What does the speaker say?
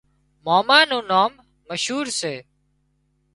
ماما نُون نام مشهور سي